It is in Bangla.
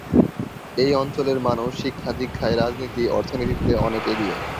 এই অঞ্চলের মানুষ শিক্ষা-দিক্ষায়, রাজনীতি অর্থনীতিতে অনেক এগিয়ে।